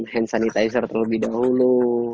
hand sanitizer terlebih dahulu